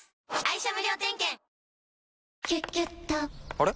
あれ？